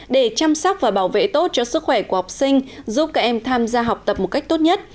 để chăm sóc và bảo vệ tốt cho sức khỏe của học sinh giúp các em tham gia học tập một cách tốt nhất